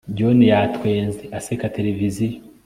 John yatwenze aseka televiziyo